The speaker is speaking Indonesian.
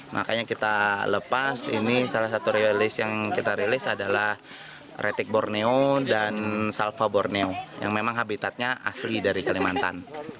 makanya kita lepas ini salah satu riolis yang kita rilis adalah retik borneo dan salva borneo yang memang habitatnya asli dari kalimantan